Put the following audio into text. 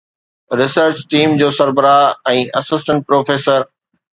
research team جو سربراهه ۽ assistant professor